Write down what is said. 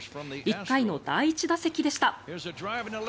１回の第１打席でした。